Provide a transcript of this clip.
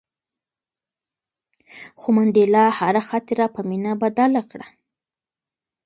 خو منډېلا هره خاطره په مینه بدله کړه.